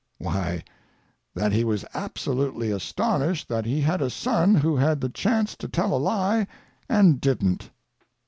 Why, that he was absolutely astonished that he had a son who had the chance to tell a lie and didn't.